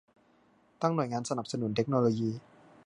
ตั้งหน่วยงานสนับสนุนเทคโนโลยี